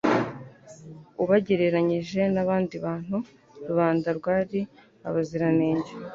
Ubagereranyije n'abandi bantu, rubanda rwari abaziranenge.